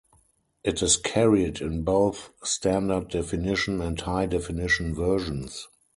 It is carried in both standard definition and high definition versions.